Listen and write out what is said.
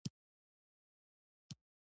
• ځینې نومونه د سولې، صبر او مهربانۍ معنا لري.